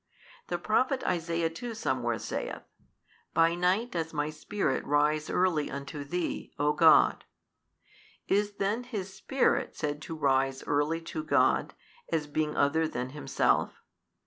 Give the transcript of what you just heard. The Prophet Isaiah too somewhere saith, By night does my spirit rise early unto Thee, O God. Is then his spirit said to rise early to God, as being other than himself?